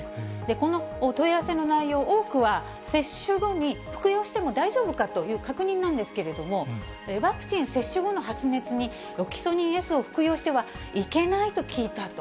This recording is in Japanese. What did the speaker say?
この問い合わせの内容、多くは、接種後に服用しても大丈夫かという確認なんですけれども、ワクチン接種後の発熱にロキソニンＳを服用してはいけないと聞いたと。